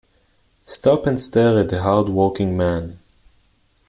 Stop and stare at the hard working man.